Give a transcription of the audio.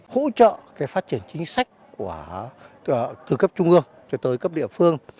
hỗ trợ phát triển chính sách từ cấp trung ương cho tới cấp địa phương